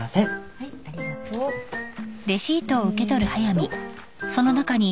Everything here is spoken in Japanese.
はいありがとう。えっと。